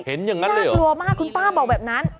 เห็นอย่างนั้นหรือน่ากลัวมากคุณป้าบอกแบบนั้น